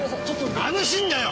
まぶしいんだよ！